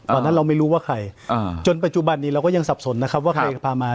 ตอนนั้นเราไม่รู้ว่าใครจนปัจจุบันนี้เราก็ยังสับสนนะครับว่าใครพามา